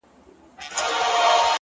پر ده به نو ايله پدر لعنت له مينې ژاړي-